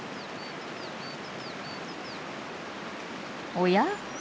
おや？